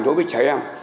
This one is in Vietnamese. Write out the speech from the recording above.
đối với trẻ em